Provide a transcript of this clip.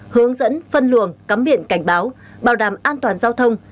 hướng dẫn phân luồng cắm biển cảnh báo bảo đảm an toàn giao thông